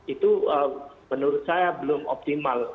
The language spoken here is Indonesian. itu menurut saya belum optimal